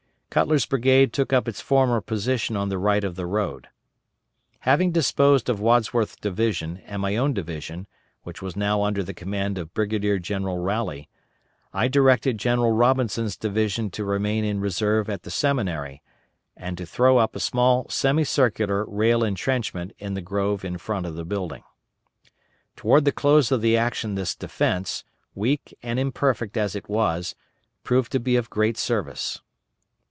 Cutler's brigade took up its former position on the right of the road. Having disposed of Wadsworth's division and my own division, which was now under the command of Brigadier General Rowley, I directed General Robinson's division to remain in reserve at the Seminary, and to throw up a small semicircular rail intrenchment in the grove in front of the building. Toward the close of the action this defence, weak and imperfect as it was, proved to be of great service.